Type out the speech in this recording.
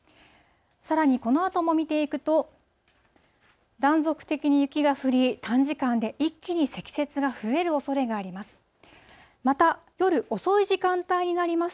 さらにこのあとも見ていくと、断続的に雪が降り、短時間で一気に積雪が増えるおそれがあります。